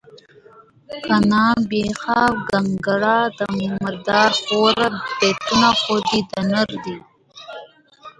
کهنه پېخه، ګنهګاره، دا مردار خواره بریتونه خو دې د نر دي.